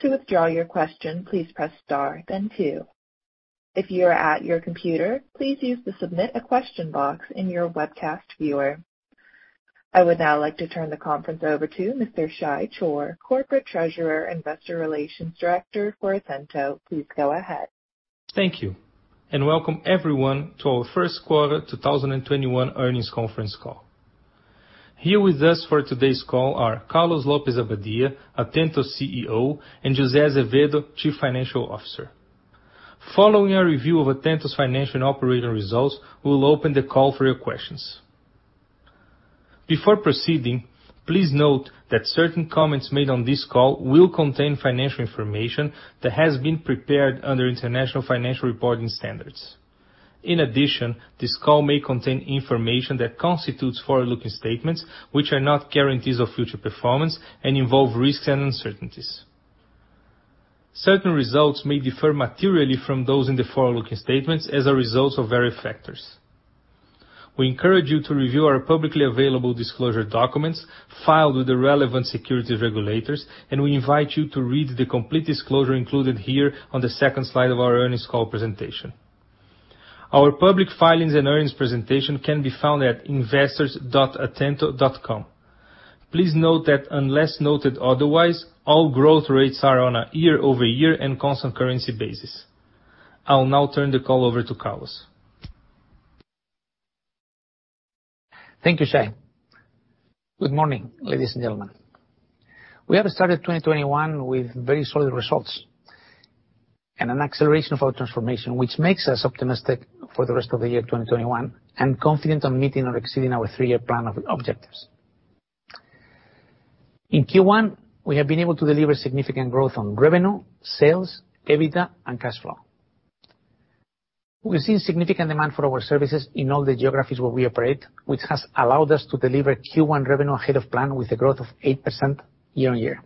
I would now like to turn the conference over to Mr. Shay Chor, Corporate Treasurer, Investor Relations Director for Atento. Please go ahead. Thank you, and welcome everyone to our first quarter 2021 earnings conference call. Here with us for today's call are Carlos López-Abadía, Atento's CEO, and Jose Azevedo, Chief Financial Officer. Following a review of Atento's financial and operating results, we'll open the call for your questions. Before proceeding, please note that certain comments made on this call will contain financial information that has been prepared under International Financial Reporting Standards. This call may contain information that constitutes forward-looking statements, which are not guarantees of future performance and involve risks and uncertainties. Certain results may differ materially from those in the forward-looking statements as a result of various factors. We encourage you to review our publicly available disclosure documents filed with the relevant securities regulators, we invite you to read the complete disclosure included here on the second slide of our earnings call presentation. Our public filings and earnings presentation can be found at investors.atento.com. Please note that unless noted otherwise, all growth rates are on a year-over-year and constant currency basis. I'll now turn the call over to Carlos. Thank you, Shay. Good morning, ladies and gentlemen. We have started 2021 with very solid results and an acceleration of our transformation, which makes us optimistic for the rest of the year 2021 and confident on meeting or exceeding our three-year plan of objectives. In Q1, we have been able to deliver significant growth on revenue, sales, EBITDA, and cash flow. We've seen significant demand for our services in all the geographies where we operate, which has allowed us to deliver Q1 revenue ahead of plan with a growth of 8% year-on-year.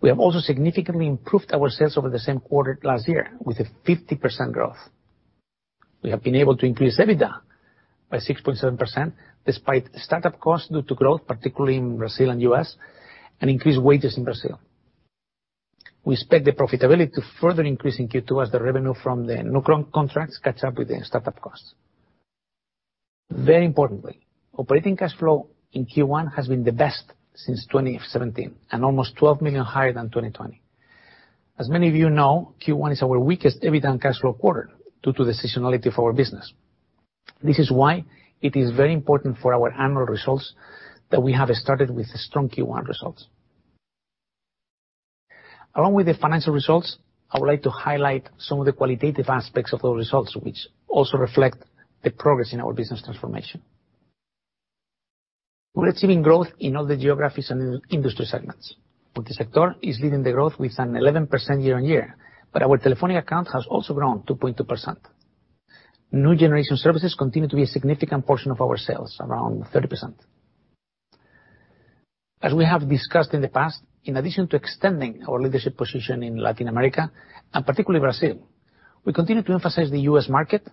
We have also significantly improved our sales over the same quarter last year, with a 50% growth. We have been able to increase EBITDA by 6.7%, despite startup costs due to growth, particularly in Brazil and U.S., and increased wages in Brazil. We expect the profitability to further increase in Q2 as the revenue from the new contracts catches up with the startup costs. Very importantly, operating cash flow in Q1 has been the best since 2017 and almost 12 million higher than 2020. As many of you know, Q1 is our weakest EBITDA and cash flow quarter due to the seasonality of our business. This is why it is very important for our annual results that we have started with strong Q1 results. Along with the financial results, I would like to highlight some of the qualitative aspects of those results, which also reflect the progress in our business transformation. We're achieving growth in all the geographies and industry segments. Multi-sector is leading the growth with an 11% year-on-year, but our Telefónica account has also grown 2.2%. New generation services continue to be a significant portion of our sales, around 30%. As we have discussed in the past, in addition to extending our leadership position in Latin America, and particularly Brazil, we continue to emphasize the U.S. market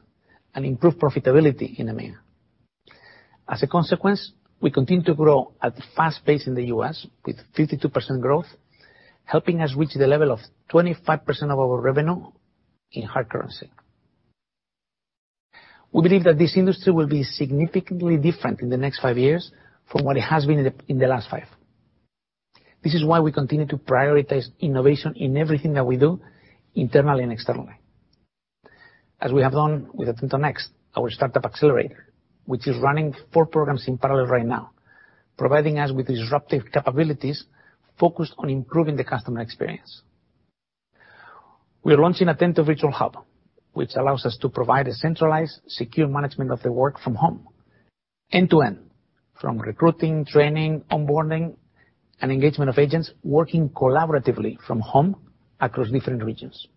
and improve profitability in EMEA. As a consequence, we continue to grow at a fast pace in the U.S. with 52% growth, helping us reach the level of 25% of our revenue in hard currency. We believe that this industry will be significantly different in the next five years from what it has been in the last five. This is why we continue to prioritize innovation in everything that we do, internally and externally. As we have done with Atento Next, our startup accelerator, which is running four programs in parallel right now, providing us with disruptive capabilities focused on improving the customer experience. We are launching Atento Virtual Hub, which allows us to provide a centralized, secure management of the work from home end-to-end, from recruiting, training, onboarding, and engagement of agents working collaboratively from home across different regions.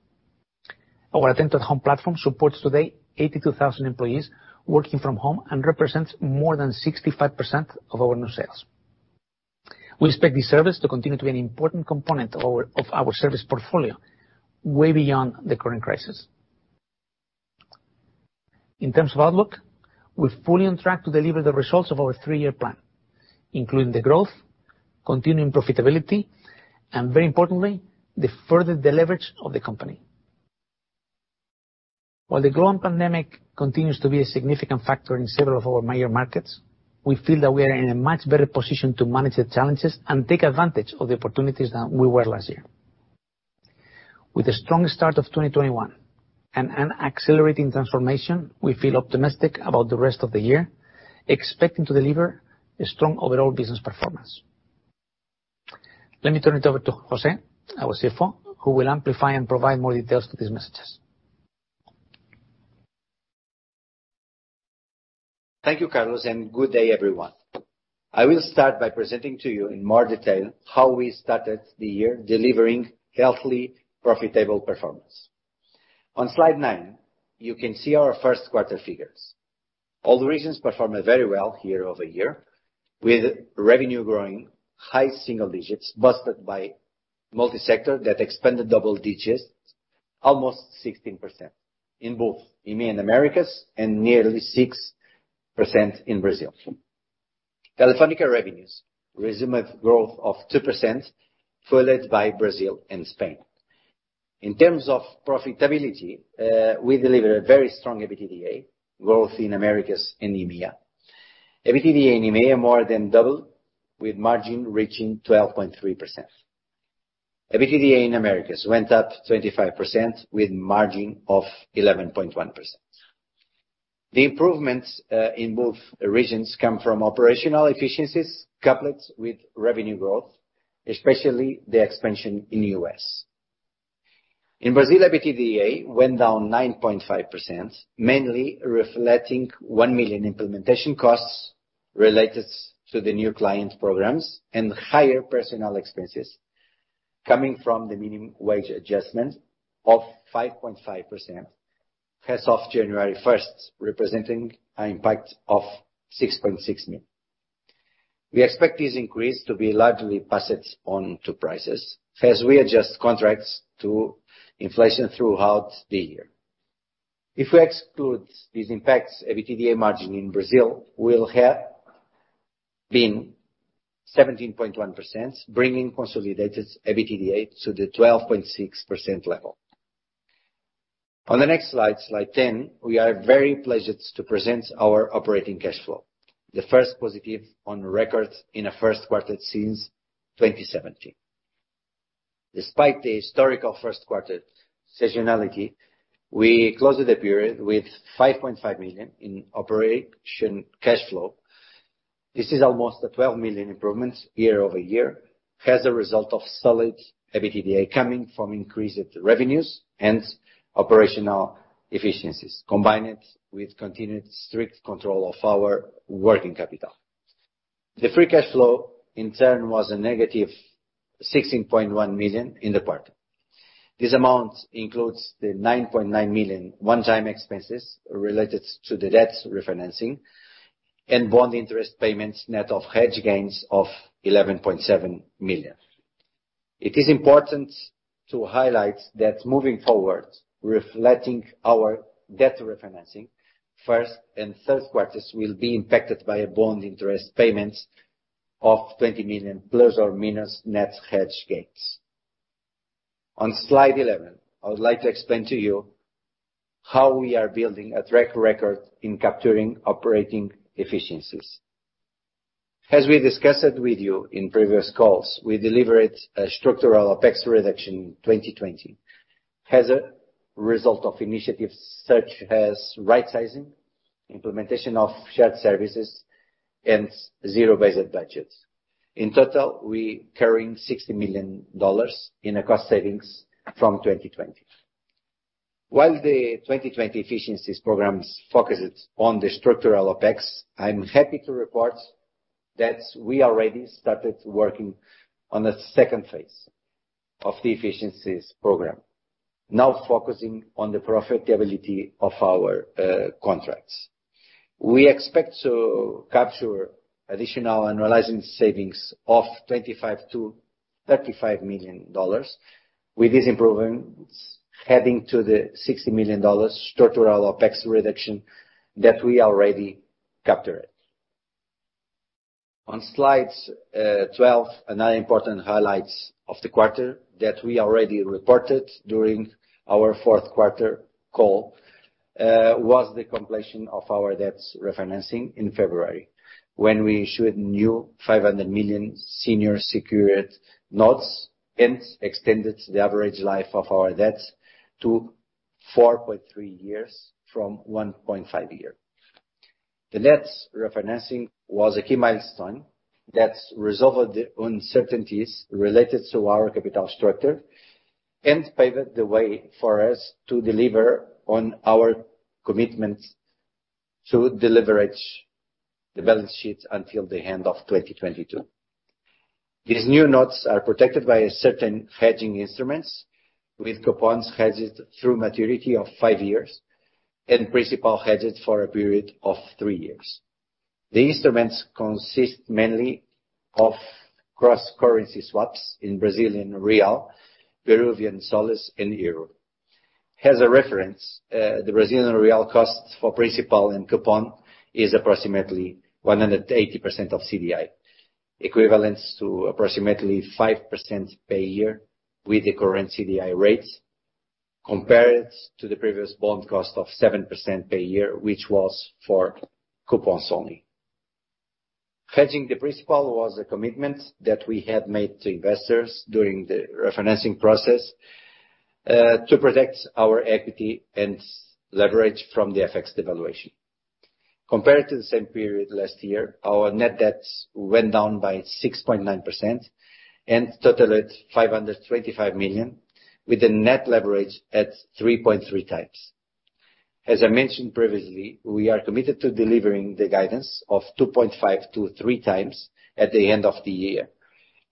Our Atento@Home platform supports today 82,000 employees working from home and represents more than 65% of our new sales. We expect this service to continue to be an important component of our service portfolio way beyond the current crisis. In terms of outlook, we're fully on track to deliver the results of our three-year plan, including the growth, continuing profitability, and very importantly, the further deleverage of the company. While the growing pandemic continues to be a significant factor in several of our major markets, we feel that we are in a much better position to manage the challenges and take advantage of the opportunities than we were last year. With the strong start of 2021 and an accelerating transformation, we feel optimistic about the rest of the year, expecting to deliver a strong overall business performance. Let me turn it over to Jose, our CFO, who will amplify and provide more details to these messages. Thank you, Carlos, and good day everyone. I will start by presenting to you in more detail how we started the year delivering healthy, profitable performance. On slide nine, you can see our first quarter figures. All the regions performed very well year-over-year, with revenue growing high single digits boosted by multi-sector that expanded double digits almost 16% in both EMEA and Americas, and nearly 6% in Brazil. Telefónica revenues resumed growth of 2% fueled by Brazil and Spain. In terms of profitability, we delivered a very strong EBITDA growth in Americas and EMEA. EBITDA in EMEA more than doubled, with margin reaching 12.3%. EBITDA in Americas went up 25% with margin of 11.1%. The improvements in both regions come from operational efficiencies coupled with revenue growth, especially the expansion in U.S. In Brazil, EBITDA went down 9.5%, mainly reflecting 1 million implementation costs related to the new client programs and higher personal expenses coming from the minimum wage adjustment of 5.5% as of January 1st, representing an impact of 6.6 million. We expect this increase to be largely passed on to prices as we adjust contracts to inflation throughout the year. If we exclude these impacts, EBITDA margin in Brazil will have been 17.1%, bringing consolidated EBITDA to the 12.6% level. On the next slide 10, we are very pleased to present our operating cash flow. The first positive on record in a first quarter since 2017. Despite the historical first quarter seasonality, we closed the period with 5.5 million in operation cash flow. This is almost a 12 million improvements year-over-year, as a result of solid EBITDA coming from increased revenues and operational efficiencies combined with continued strict control of our working capital. The free cash flow, in turn, was a negative 16.1 million in the quarter. This amount includes the 9.9 million one-time expenses related to the debt refinancing and bond interest payments, net of hedge gains of 11.7 million. It is important to highlight that moving forward, reflecting our debt refinancing first and third quarters will be impacted by a bond interest payment of 20 million ± net hedge gains. On slide 11, I would like to explain to you how we are building a track record in capturing operating efficiencies. As we discussed with you in previous calls, we delivered a structural OpEx reduction 2020 as a result of initiatives such as right sizing, implementation of shared services, and zero-based budgets. In total, we captured BRL 60 million in a cost savings from 2020. While the 2020 efficiencies programs focused on the structural OpEx, I'm happy to report that we already started working on a second phase of the efficiencies program, now focusing on the profitability of our contracts. We expect to capture additional annualizing savings of BRL 25 million-BRL 35 million with these improvements heading to the BRL 60 million structural OpEx reduction that we already captured. On slide 12, another important highlight of the quarter that we already reported during our fourth quarter call, was the completion of our debts refinancing in February, when we issued new 500 million senior secured notes and extended the average life of our debts to 4.3 years from 1.5 year. The debt refinancing was a key milestone that resolved the uncertainties related to our capital structure and paved the way for us to deliver on our commitment to deleverage the balance sheet until the end of 2022. These new notes are protected by certain hedging instruments with coupons hedged through maturity of five years and principal hedged for a period of three years. The instruments consist mainly of cross-currency swaps in Brazilian real, Peruvian soles, and euro. As a reference, the Brazilian real cost for principal and coupon is approximately 180% of CDI, equivalent to approximately 5% per year with the current CDI rates, compared to the previous bond cost of 7% per year, which was for coupons only. Hedging the principal was a commitment that we had made to investors during the refinancing process, to protect our equity and leverage from the FX devaluation. Compared to the same period last year, our net debts went down by 6.9% and totaled 525 million, with the net leverage at 3.3 times. I mentioned previously, we are committed to delivering the guidance of 2.5 to three times at the end of the year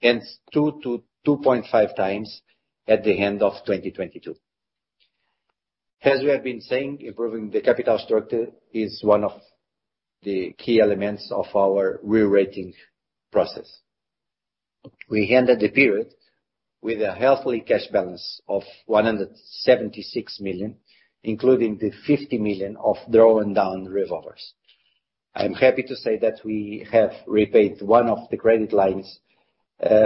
and two to 2.5 times at the end of 2022. We have been saying, improving the capital structure is one of the key elements of our rerating process. We ended the period with a healthy cash balance of 176 million, including the 50 million of drawn-down revolvers. I'm happy to say that we have repaid one of the credit lines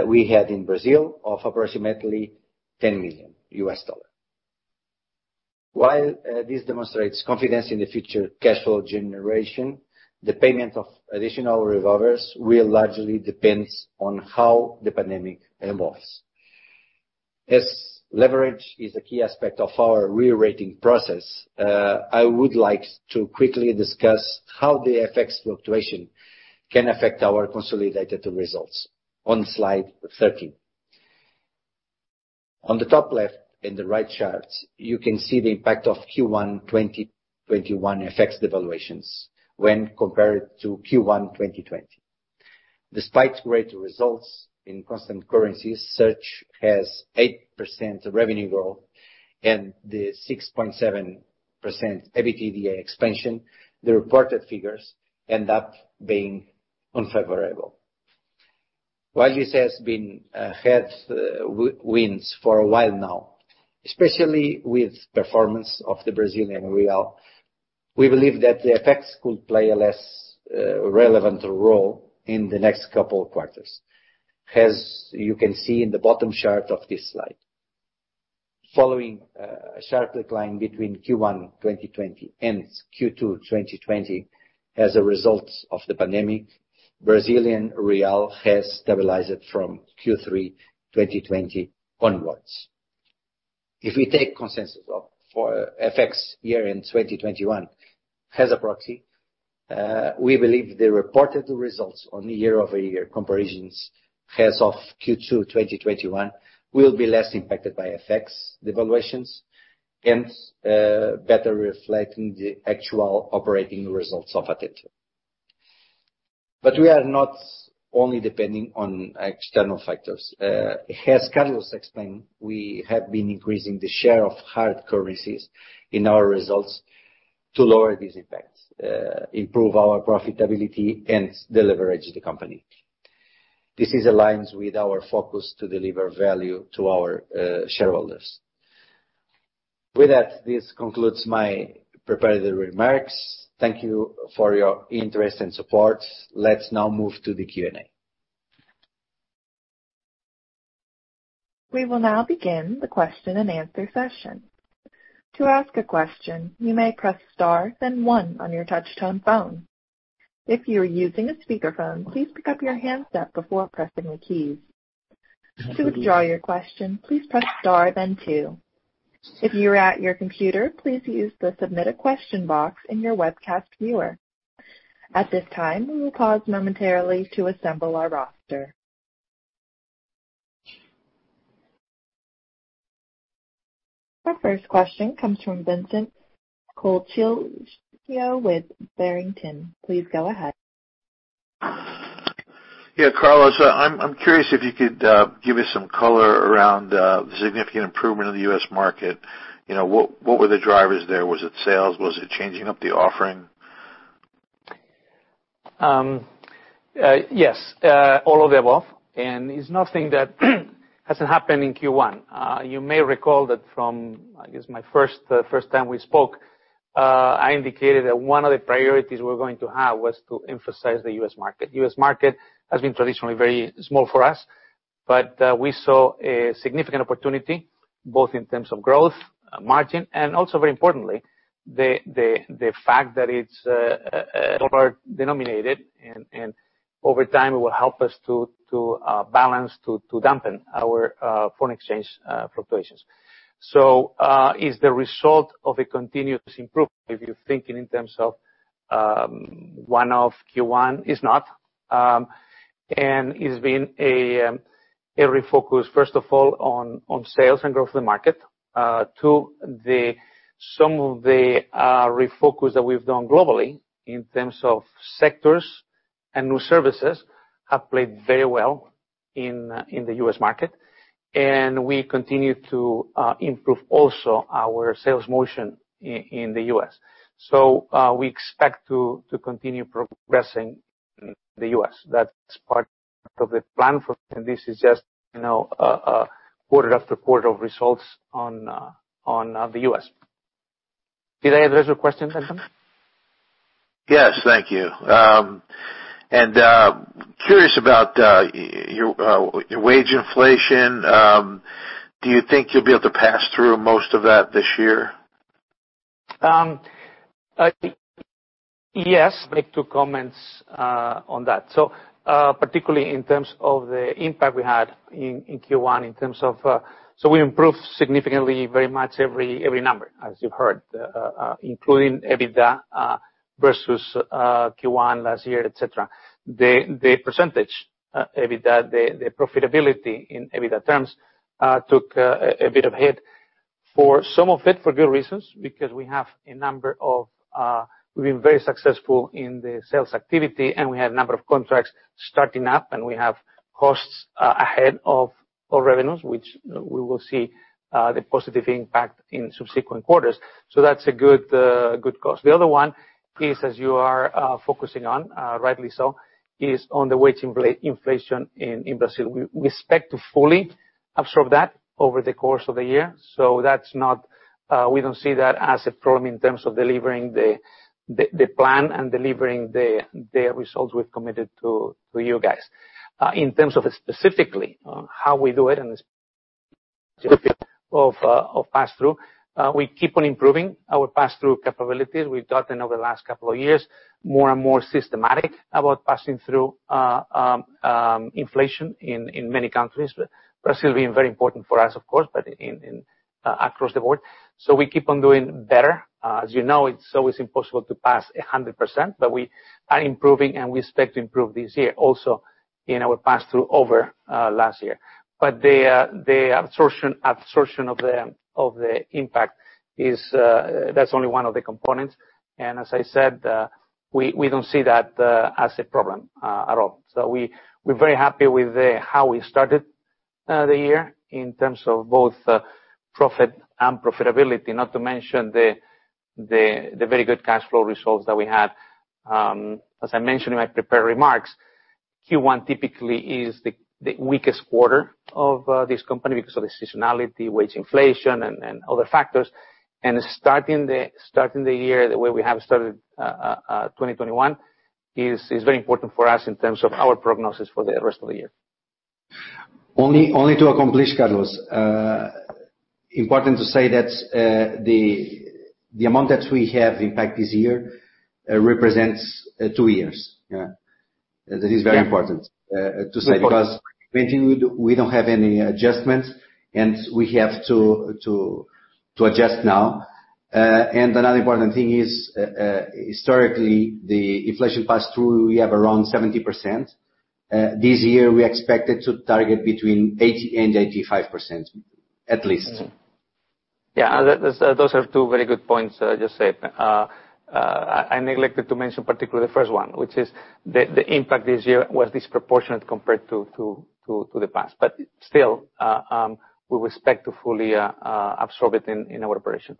we had in Brazil of approximately $10 million. While this demonstrates confidence in the future cash flow generation, the payment of additional revolvers will largely depend on how the pandemic evolves. As leverage is a key aspect of our rerating process, I would like to quickly discuss how the FX fluctuation can affect our consolidated results on slide 13. On the top left, in the right chart, you can see the impact of Q1 2021 FX devaluations when compared to Q1 2020. Despite great results in constant currencies, such as 8% revenue growth and the 6.7% EBITDA expansion, the reported figures end up being unfavorable. While this has been a headwind for a while now, especially with performance of the Brazilian real, we believe that the effects could play a less relevant role in the next couple of quarters, as you can see in the bottom chart of this slide. Following a sharp decline between Q1 2020 and Q2 2020 as a result of the pandemic, Brazilian real has stabilized from Q3 2020 onwards. If we take consensus of FX year-end 2021 as a proxy, we believe the reported results on the year-over-year comparisons as of Q2 2021 will be less impacted by FX devaluations and better reflecting the actual operating results of Atento. We are not only depending on external factors. As Carlos explained, we have been increasing the share of hard currencies in our results to lower these impacts, improve our profitability, and deleverage the company. This is aligned with our focus to deliver value to our shareholders. With that, this concludes my prepared remarks. Thank you for your interest and support. Let's now move to the Q&A. Our first question comes from Vincent Colicchio with Barrington. Please go ahead. Yeah, Carlos, I'm curious if you could give us some color around the significant improvement in the U.S. market. What were the drivers there? Was it sales? Was it changing up the offering? Yes. All of the above, it's nothing that hasn't happened in Q1. You may recall that from, I guess, my first time we spoke, I indicated that one of the priorities we're going to have was to emphasize the U.S. market. U.S. market has been traditionally very small for us, but we saw a significant opportunity both in terms of growth, margin, and also very importantly, the fact that it's dollar-denominated, and over time, it will help us to balance, to dampen our foreign exchange fluctuations. It's the result of a continuous improvement. If you're thinking in terms of one-off Q1, it's not. It's been a refocus, first of all, on sales and growth of the market. Two, some of the refocus that we've done globally in terms of sectors and new services have played very well in the U.S. market. We continue to improve also our sales motion in the U.S. We expect to continue progressing in the U.S. That's part of the plan for this is just quarter-after-quarter of results on the U.S. Did I address your question, Vincent? Yes. Thank you. Curious about your wage inflation. Do you think you'll be able to pass through most of that this year? Yes. I'd like to comment on that. Particularly in terms of the impact we had in Q1. We improved significantly very much every number, as you've heard, including EBITDA versus Q1 last year, et cetera. The percentage, EBITDA, the profitability in EBITDA terms took a bit of hit. For some of it, for good reasons, because we've been very successful in the sales activity, and we have a number of contracts starting up, and we have costs ahead of revenues, which we will see the positive impact in subsequent quarters. That's a good cost. The other one is, as you are focusing on rightly so, is on the wage inflation in Brazil. We expect to fully absorb that over the course of the year. We don't see that as a problem in terms of delivering the plan and delivering the results we've committed to you guys. In terms of specifically on how we do it and pass-through, we keep on improving our pass-through capabilities. We've gotten over the last couple of years more and more systematic about passing through inflation in many countries. Brazil being very important for us, of course, but across the board. We keep on doing better. As you know, it's always impossible to pass 100%, but we are improving, and we expect to improve this year also in our pass-through over last year. The absorption of the impact, that's only one of the components. As I said, we don't see that as a problem at all. We're very happy with how we started the year in terms of both profit and profitability, not to mention the very good cash flow results that we had. As I mentioned in my prepared remarks, Q1 typically is the weakest quarter of this company because of the seasonality, wage inflation, and other factors. Starting the year the way we have started 2021 is very important for us in terms of our prognosis for the rest of the year. Only to accomplish, Carlos. Important to say that the amount that we have impact this year represents two years. That is very important to say because we don't have any adjustments, and we have to adjust now. Another important thing is, historically, the inflation pass-through, we have around 70%. This year, we expected to target between 80% and 85%, at least. Yeah. Those are two very good points just said. I neglected to mention particularly the first one, which is the impact this year was disproportionate compared to the past. Still, we expect to fully absorb it in our operation.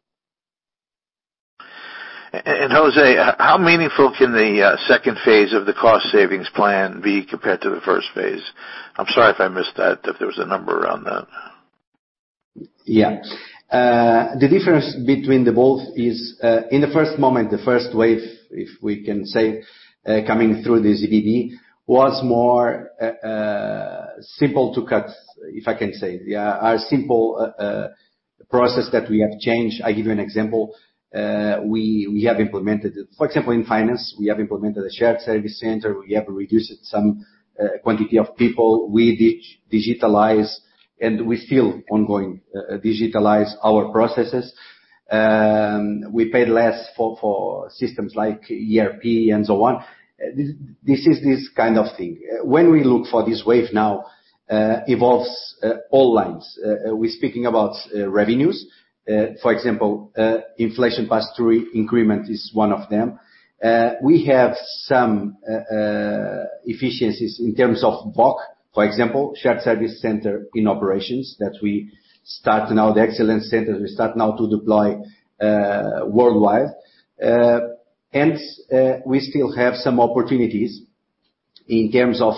Jose, how meaningful can the second phase of the cost savings plan be compared to the first phase? I'm sorry if I missed that, if there was a number around that. Yeah. The difference between the both is, in the first moment, the first wave, if we can say, coming through this OpEx was more simple to cut, if I can say. A simple process that we have changed. I give you an example. For example, in finance, we have implemented a shared service center. We have reduced some quantity of people. We digitize, and we still ongoing digitize our processes. We paid less for systems like ERP and so on. This is this kind of thing. When we look for this wave now, involves all lines. We're speaking about revenues. For example, inflation pass-through increment is one of them. We have some efficiencies in terms of BPO, for example, shared service center in operations that we start now, the excellence centers, we start now to deploy worldwide. We still have some opportunities in terms of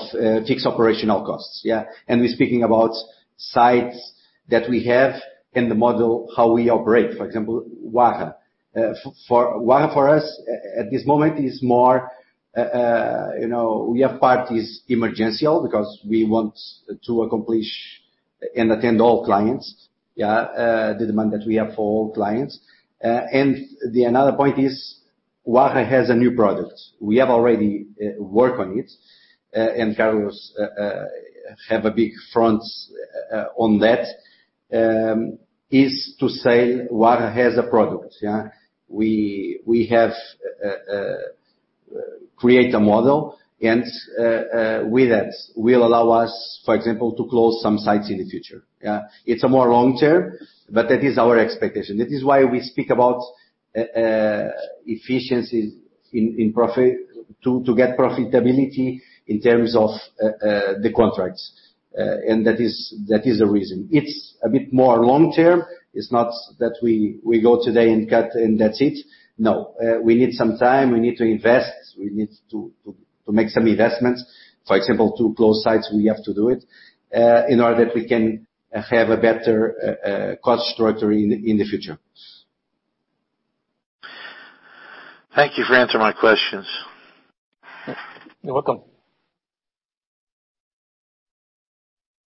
fixed operational costs. Yeah. We're speaking about sites that we have and the model how we operate. For example, WAHA. WAHA, for us, at this moment is more, we have part is emergency because we want to accomplish and attend all clients. Yeah. The demand that we have for all clients. Another point is WAHA has a new product. We have already worked on it, and Carlos has a big front on that, is to say WAHA has a product. We have created a model, and with that will allow us, for example, to close some sites in the future. Yeah. It's a more long-term, but that is our expectation. That is why we speak about efficiencies to get profitability in terms of the contracts. That is the reason. It's a bit more long-term. It's not that we go today and cut and that's it. No. We need some time. We need to invest. We need to make some investments. For example, to close sites, we have to do it in order that we can have a better cost structure in the future. Thank you for answering my questions. You're welcome.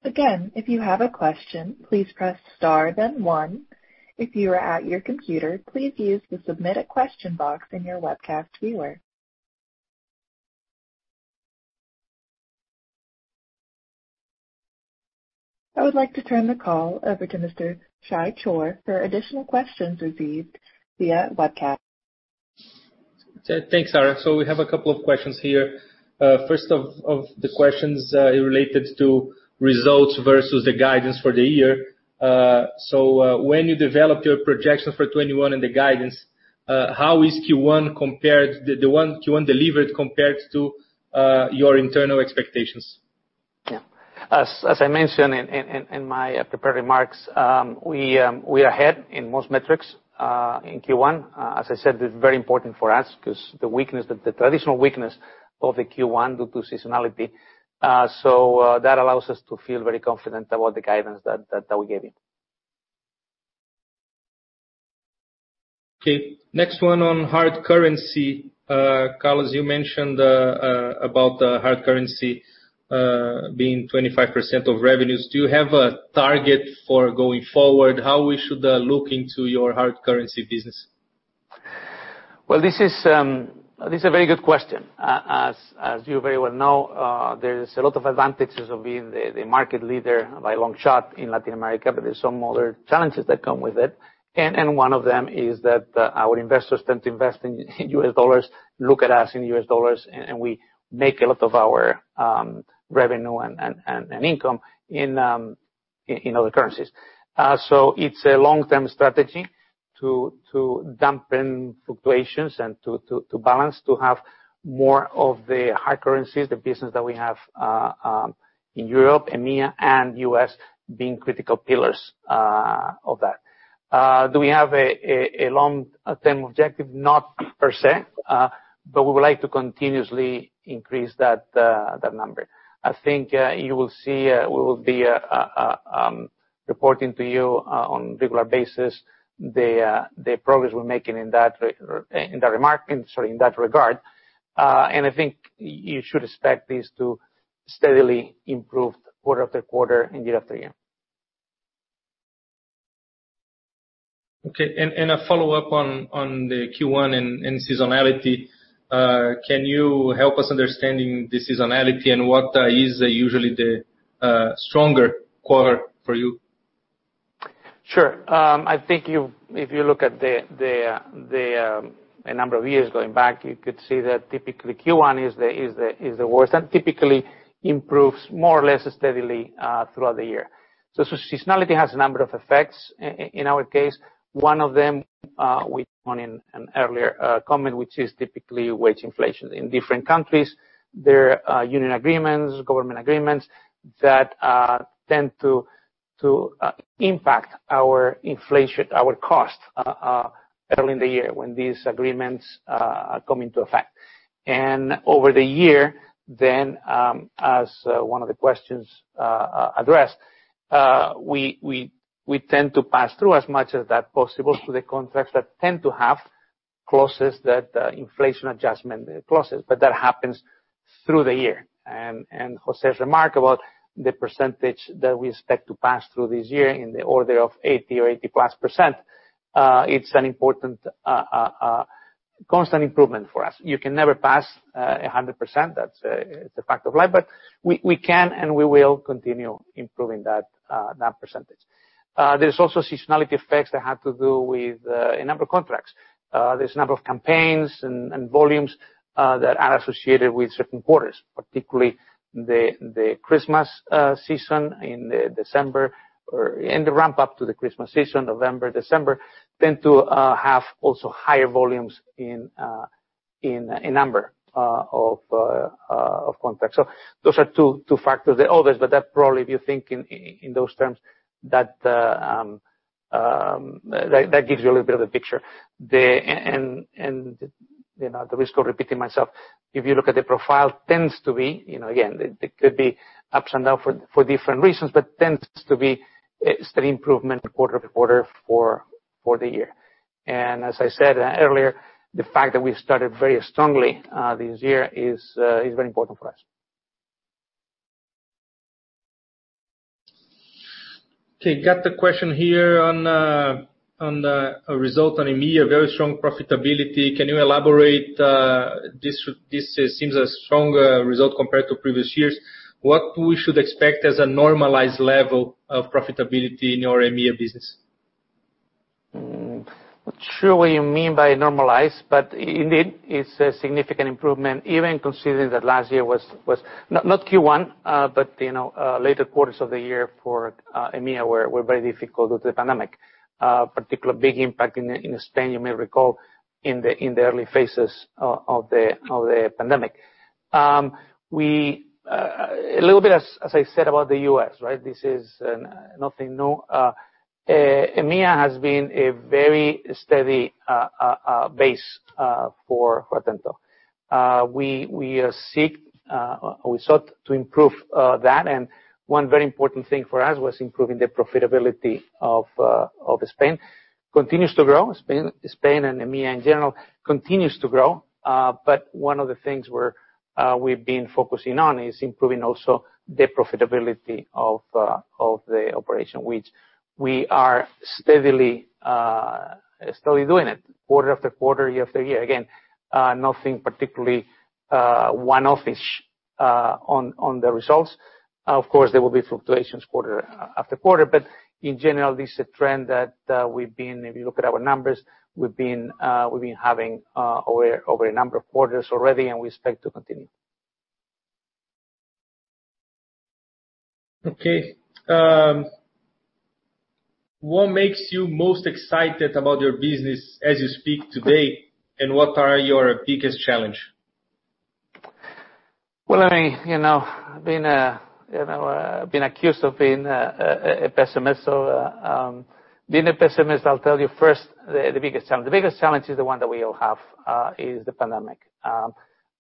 Again, if you have a question, please press star then one. If you are at your computer, please use the submit a question box in your webcast viewer. I would like to turn the call over to Mr. Shay Chor for additional questions received via webcast. Thanks, Sarah. We have a couple of questions here. First of the questions related to results versus the guidance for the year. When you developed your projection for 2021 and the guidance, how is Q1 delivered compared to your internal expectations? Yeah. As I mentioned in my prepared remarks, we are ahead in most metrics in Q1. As I said, it's very important for us because the traditional weakness of the Q1 due to seasonality. That allows us to feel very confident about the guidance that we gave you. Okay. Next one on hard currency. Carlos, you mentioned about the hard currency being 25% of revenues. Do you have a target for going forward? How we should look into your hard currency business? Well, this is a very good question. As you very well know, there's a lot of advantages of being the market leader by a long shot in Latin America, but there's some other challenges that come with it. One of them is that our investors tend to invest in U.S. dollars, look at us in U.S. dollars, and we make a lot of our revenue and income in other currencies. It's a long-term strategy to dampen fluctuations and to balance, to have more of the hard currencies, the business that we have in Europe, EMEA, and U.S. being critical pillars of that. Do we have a long-term objective? Not per se, but we would like to continuously increase that number. I think you will see, we will be reporting to you on regular basis the progress we're making in that regard. I think you should expect this to steadily improve quarter-after-quarter and year-after-year. Okay. A follow-up on the Q1 and seasonality. Can you help us understand the seasonality and what is usually the stronger quarter for you? Sure. I think if you look at the number of years going back, you could see that typically Q1 is the worst and typically improves more or less steadily throughout the year. Seasonality has a number of effects. In our case, one of them we went in an earlier comment, which is typically wage inflation. In different countries, there are union agreements, government agreements that tend to impact our cost early in the year when these agreements come into effect. Over the year then, as one of the questions addressed, we tend to pass through as much of that as possible to the contracts that tend to have clauses that, inflation adjustment clauses, but that happens through the year. Jose's remark about the percentage that we expect to pass through this year in the order of 80% or 80+ %, it's an important constant improvement for us. You can never pass 100%. That's a fact of life. We can and we will continue improving that %. There's also seasonality effects that have to do with the number of contracts. There's a number of campaigns and volumes that are associated with certain quarters, particularly the Christmas season in December or in the ramp-up to the Christmas season, November, December, tend to have also higher volumes in number of contracts. Those are two factors. There are others, but that probably, if you think in those terms, that gives you a little bit of a picture. At the risk of repeating myself, if you look at the profile, tends to be, again, it could be ups and down for different reasons, but tends to be a steady improvement quarter-over-quarter for the year. As I said earlier, the fact that we started very strongly this year is very important for us. Okay, got the question here on the result on EMEA, very strong profitability. Can you elaborate? This seems a strong result compared to previous years. What we should expect as a normalized level of profitability in your EMEA business? Not sure what you mean by normalized, but indeed, it's a significant improvement, even considering that last year was, not Q1, but later quarters of the year for EMEA were very difficult due to the pandemic. Particular big impact in Spain, you may recall in the early phases of the pandemic. A little bit as I said about the U.S., right? This is nothing new. EMEA has been a very steady base for Atento. We sought to improve that, and one very important thing for us was improving the profitability of Spain. Continues to grow, Spain and EMEA, in general, continues to grow. One of the things we've been focusing on is improving also the profitability of the operation, which we are steadily doing it quarter-after-quarter, year-after-year. Again, nothing particularly one-offish on the results. There will be fluctuations quarter-after-quarter, but in general, this is a trend that if you look at our numbers, we've been having over a number of quarters already, and we expect to continue. Okay. What makes you most excited about your business as you speak today, and what are your biggest challenge? Well, I've been accused of being a pessimist. Being a pessimist, I'll tell you first the biggest challenge. The biggest challenge is the one that we all have, is the pandemic.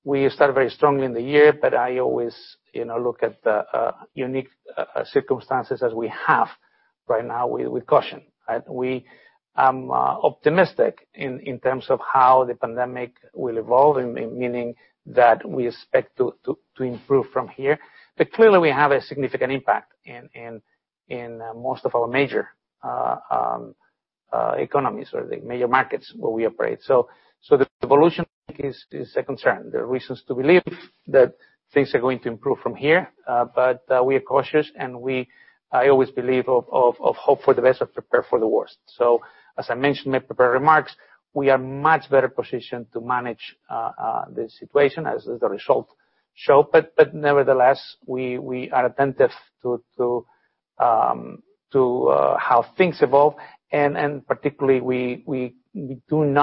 We started very strongly in the year, but I always look at the unique circumstances as we have right now with caution. I'm optimistic in terms of how the pandemic will evolve, meaning that we expect to improve from here. Clearly, we have a significant impact in most of our major economies or the major markets where we operate. The evolution is a concern. There are reasons to believe that things are going to improve from here, but we are cautious and I always believe of hope for the best and prepare for the worst. As I mentioned in my prepared remarks, we are much better positioned to manage this situation, as the results show. Nevertheless, we are attentive to how things evolve, and particularly, we don't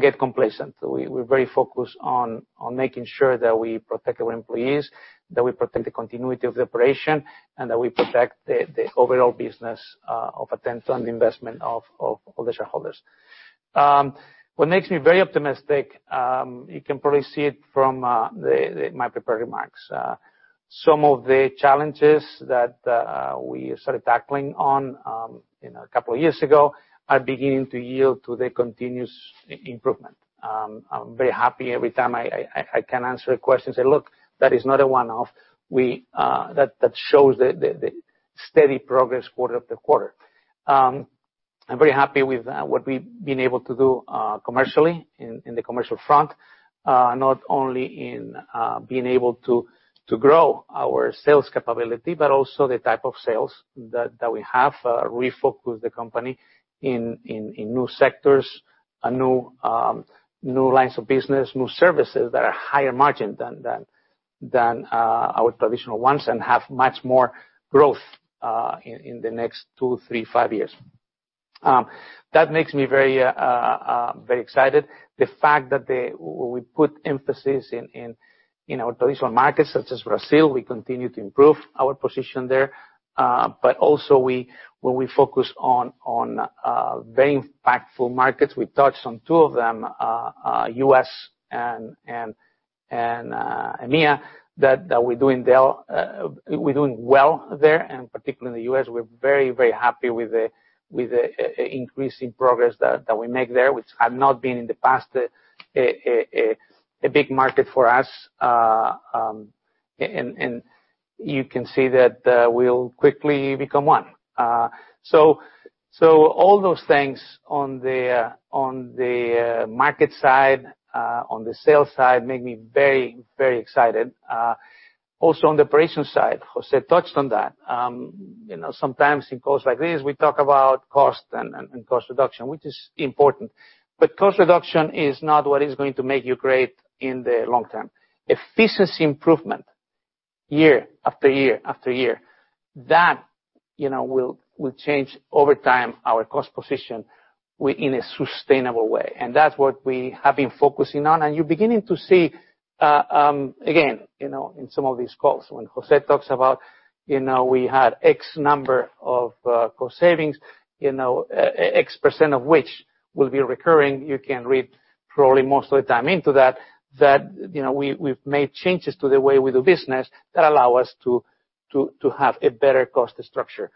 get complacent. We're very focused on making sure that we protect our employees, that we protect the continuity of the operation, and that we protect the overall business of Atento and the investment of all the shareholders. What makes me very optimistic, you can probably see it from my prepared remarks. Some of the challenges that we started tackling on a couple of years ago are beginning to yield to the continuous improvement. I'm very happy every time I can answer a question, say, "Look, that is not a one-off." That shows the steady progress quarter-after-quarter. I'm very happy with what we've been able to do commercially, in the commercial front. Not only in being able to grow our sales capability, but also the type of sales that we have refocused the company in new sectors and new lines of business, new services that are higher margin than our traditional ones and have much more growth in the next two, three, five years. That makes me very excited. Also when we focus on very impactful markets, we touched on two of them, U.S. and EMEA, that we're doing well there, and particularly in the U.S., we're very, very happy with the increasing progress that we make there, which had not been in the past a big market for us. You can see that we'll quickly become one. All those things on the market side, on the sales side, make me very, very excited. Also on the operations side, José touched on that. Sometimes in calls like this, we talk about cost and cost reduction, which is important. Cost reduction is not what is going to make you great in the long term. Efficiency improvement year-after-year-after-year, that will change over time our cost position in a sustainable way, and that's what we have been focusing on. You're beginning to see, again, in some of these calls, when Jose talks about we had X number of cost savings, X% of which will be recurring, you can read probably most of the time into that. That we've made changes to the way we do business that allow us to have a better cost structure.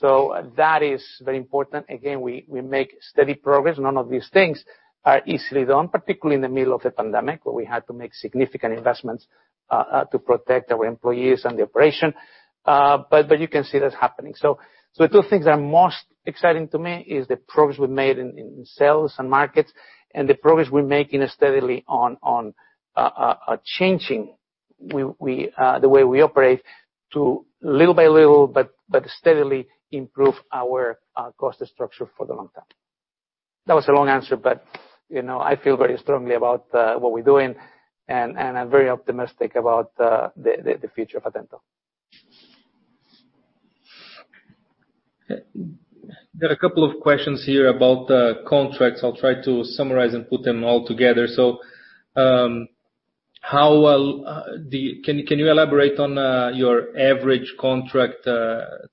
That is very important. Again, we make steady progress. None of these things are easily done, particularly in the middle of a pandemic, where we had to make significant investments to protect our employees and the operation. You can see that happening. The two things that are most exciting to me is the progress we've made in sales and markets and the progress we're making steadily on changing the way we operate to little by little, but steadily improve our cost structure for the long term. That was a long answer. I feel very strongly about what we're doing, and I'm very optimistic about the future of Atento. There are a couple of questions here about the contracts. I'll try to summarize and put them all together. Can you elaborate on your average contract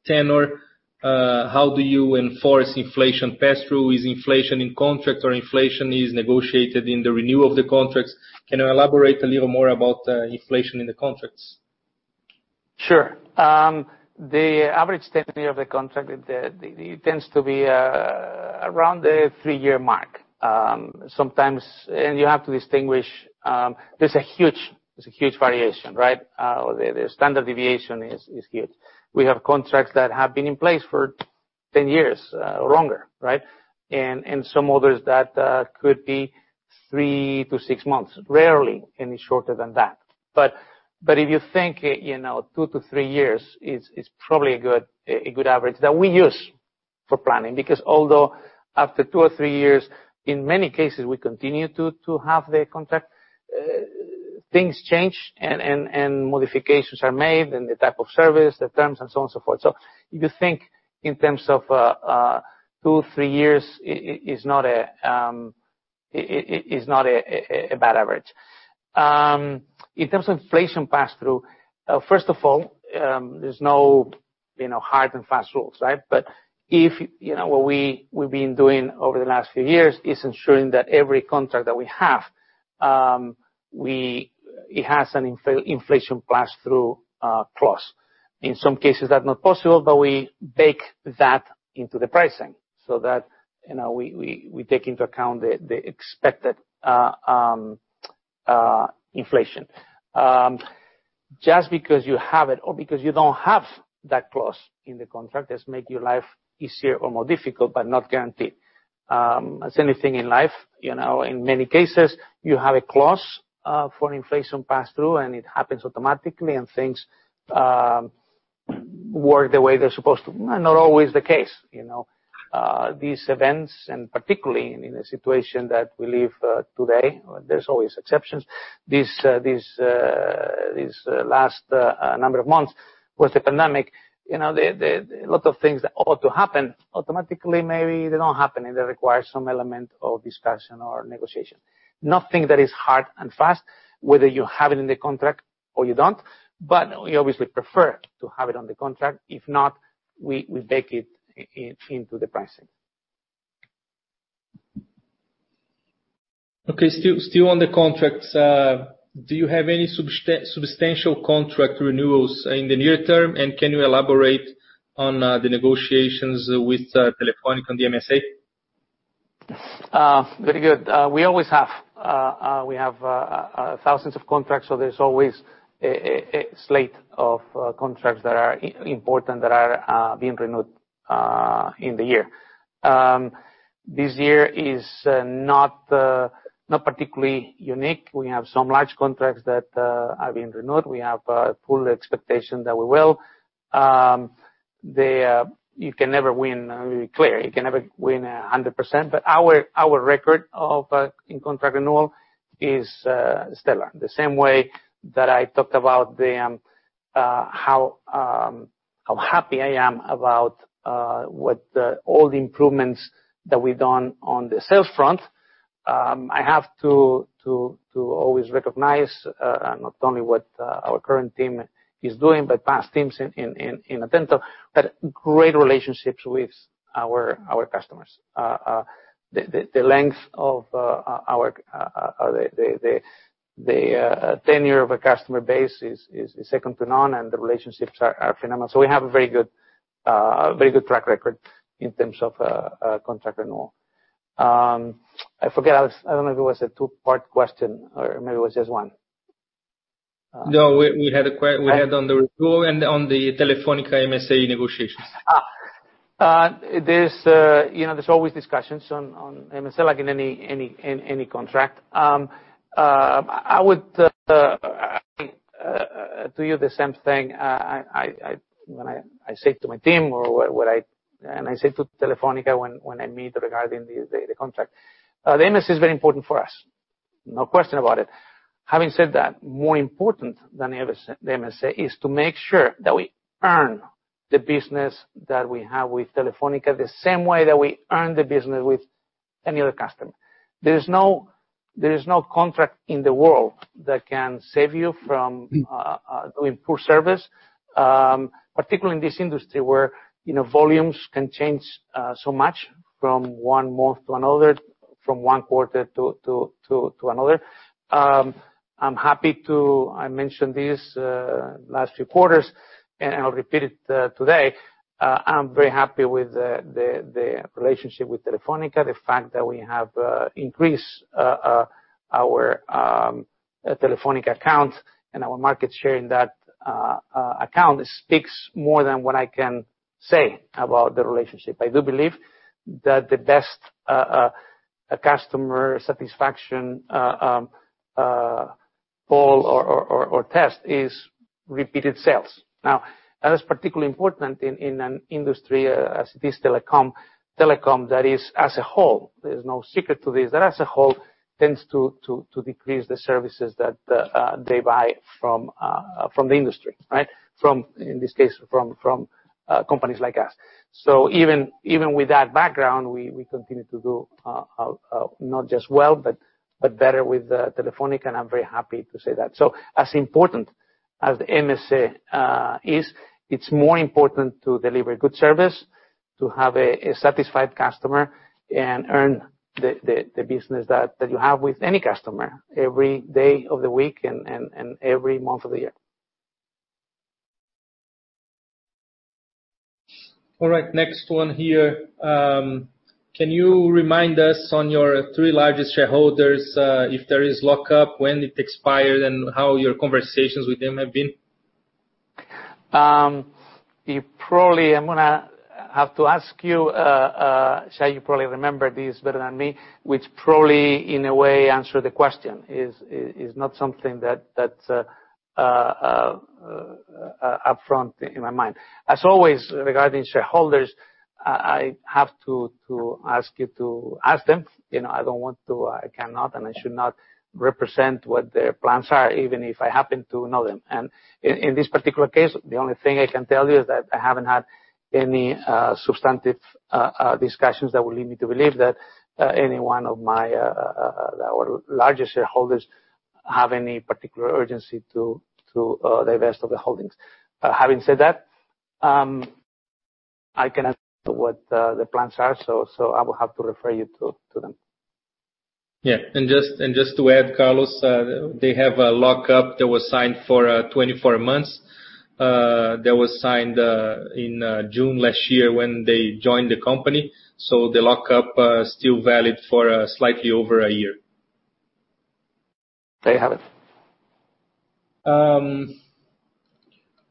tenure? How do you enforce inflation pass-through? Is inflation in contract or inflation is negotiated in the renewal of the contracts? Can you elaborate a little more about inflation in the contracts? Sure. The average tenure of the contract tends to be around the three-year mark. You have to distinguish, there's a huge variation, right? The standard deviation is huge. We have contracts that have been in place for 10 years or longer, right? Some others that could be three to six months. Rarely any shorter than that. If you think, two to three years is probably a good average that we use for planning, because although after two or three years, in many cases, we continue to have the contract. Things change and modifications are made in the type of service, the terms, and so on and so forth. If you think in terms of two, three years, it is not a bad average. In terms of inflation pass-through, first of all, there's no hard and fast rules, right? What we've been doing over the last few years is ensuring that every contract that we have, it has an inflation pass-through clause. In some cases, that's not possible, but we bake that into the pricing so that we take into account the expected inflation. Just because you have it or because you don't have that clause in the contract does make your life easier or more difficult, but not guaranteed. As anything in life, in many cases, you have a clause for inflation pass-through, and it happens automatically, and things work the way they're supposed to. Not always the case. These events, and particularly in the situation that we live today, there's always exceptions. These last number of months with the pandemic, a lot of things that ought to happen automatically, maybe they don't happen, and they require some element of discussion or negotiation. Nothing that is hard and fast, whether you have it in the contract or you don't, but we obviously prefer to have it on the contract. If not, we bake it into the pricing. Okay. Still on the contracts, do you have any substantial contract renewals in the near term? Can you elaborate on the negotiations with Telefónica on the MSA? Very good. We always have. We have thousands of contracts, so there's always a slate of contracts that are important that are being renewed in the year. This year is not particularly unique. We have some large contracts that are being renewed. We have a full expectation that we will. You can never win, let me be clear, you can never win 100%, but our record in contract renewal is stellar. The same way that I talked about how happy I am about all the improvements that we've done on the sales front. I have to always recognize not only what our current team is doing, but past teams in Atento, had great relationships with our customers. The tenure of a customer base is second to none, and the relationships are phenomenal. We have a very good track record in terms of contract renewal. I forget, I don't know if it was a two-part question or maybe it was just one. No, we had on the renewal and on the Telefónica MSA negotiations. There's always discussions on MSA like in any contract. I would say to you the same thing when I say to my team or what I say to Telefónica when I meet regarding the contract. The MSA is very important for us, no question about it. Having said that, more important than the MSA is to make sure that we earn the business that we have with Telefónica, the same way that we earn the business with any other customer. There is no contract in the world that can save you from doing poor service, particularly in this industry where volumes can change so much from one month to another, from one quarter to another. I mentioned this last few quarters. I'll repeat it today, I'm very happy with the relationship with Telefónica. The fact that we have increased our Telefónica account and our market share in that account speaks more than what I can say about the relationship. I do believe that the best customer satisfaction poll or test is repeated sales. Now, that is particularly important in an industry as it is telecom, that is, as a whole, there's no secret to this, that as a whole tends to decrease the services that they buy from the industry. In this case, from companies like us. Even with that background, we continue to do not just well, but better with Telefónica, and I'm very happy to say that. As important as the MSA is, it's more important to deliver good service, to have a satisfied customer and earn the business that you have with any customer every day of the week and every month of the year. All right. Next one here. Can you remind us on your three largest shareholders, if there is lockup, when it expires, and how your conversations with them have been? I'm going to have to ask you, Shay, you probably remember this better than me, which probably, in a way, answer the question. Is not something that's upfront in my mind. As always, regarding shareholders, I have to ask you to ask them. I don't want to, I cannot, and I should not represent what their plans are, even if I happen to know them. In this particular case, the only thing I can tell you is that I haven't had any substantive discussions that would lead me to believe that any one of our larger shareholders have any particular urgency to divest of the holdings. Having said that, I cannot what the plans are. I will have to refer you to them. Yeah. Just to add, Carlos, they have a lockup that was signed for 24 months, that was signed in June last year when they joined the company. The lockup still valid for slightly over a year. There you have it.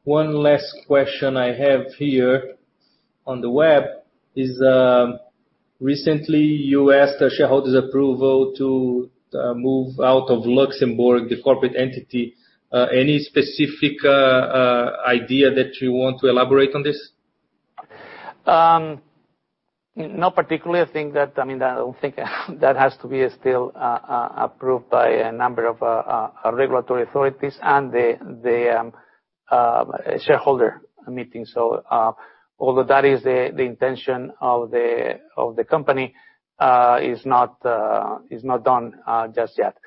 One last question I have here on the web is, recently you asked a shareholder's approval to move out of Luxembourg, the corporate entity. Any specific idea that you want to elaborate on this? Not particularly. I think that has to be still approved by a number of regulatory authorities and the shareholder meeting. Although that is the intention of the company, is not done just yet.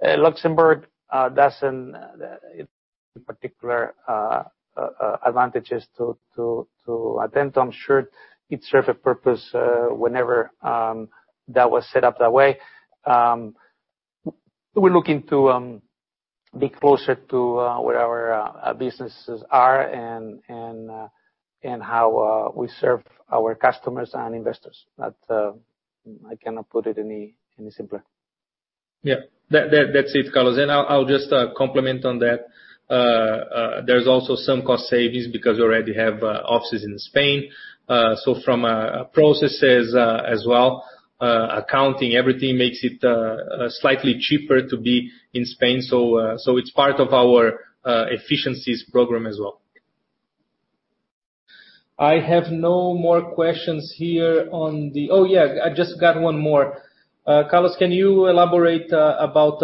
Luxembourg doesn't, in particular, advantages to Atento. I'm sure it served a purpose whenever that was set up that way. We're looking to be closer to where our businesses are and how we serve our customers and investors. I cannot put it any simpler. Yeah. That's it, Carlos. I'll just complement on that. There's also some cost savings because we already have offices in Spain. From a processes as well, accounting, everything makes it slightly cheaper to be in Spain. It's part of our efficiencies program as well. I have no more questions here. I just got one more. Carlos, can you elaborate about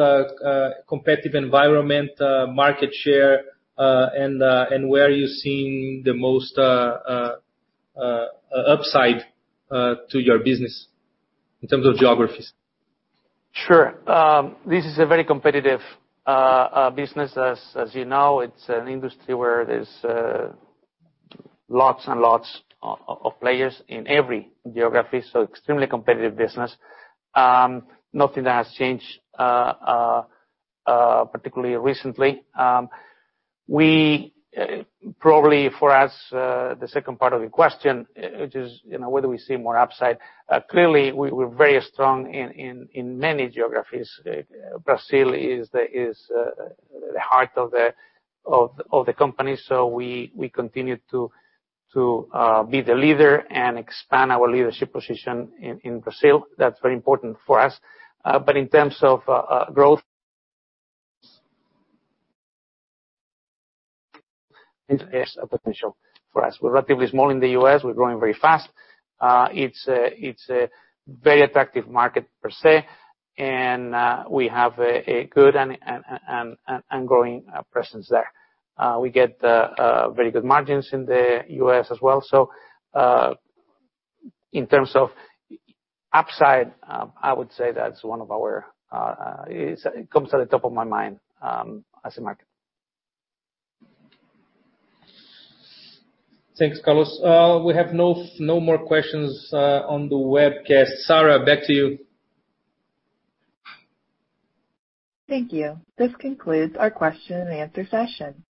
competitive environment, market share, and where are you seeing the most upside to your business in terms of geographies? Sure. This is a very competitive business. As you know, it's an industry where there's lots and lots of players in every geography, so extremely competitive business. Nothing that has changed particularly recently. Probably for us, the second part of your question, which is whether we see more upside. Clearly, we're very strong in many geographies. Brazil is the heart of the company. We continue to be the leader and expand our leadership position in Brazil. That's very important for us. In terms of growth interest potential for us. We're relatively small in the U.S. We're growing very fast. It's a very attractive market per se, and we have a good and growing presence there. We get very good margins in the U.S. as well. In terms of upside, I would say that's one of our It comes at the top of my mind as a market. Thanks, Carlos. We have no more questions on the webcast. Sarah, back to you. Thank you. This concludes our question and answer session.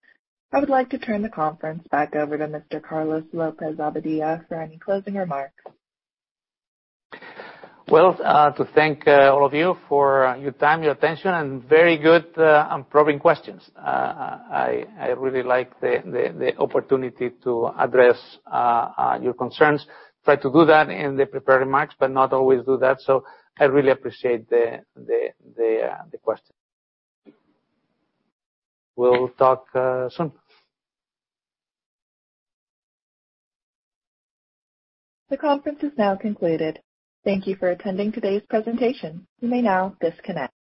I would like to turn the conference back over to Mr. Carlos López-Abadía for any closing remarks. To thank all of you for your time, your attention, and very good and probing questions. I really like the opportunity to address your concerns. Try to do that in the prepared remarks, but not always do that. I really appreciate the questions. We will talk soon. The conference is now concluded. Thank you for attending today's presentation. You may now disconnect.